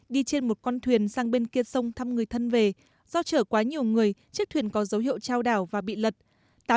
đi trên một con thuyền sang bên kia sông thăm người thân về do chở quá nhiều người chiếc thuyền có dấu hiệu trao đảo và bị lật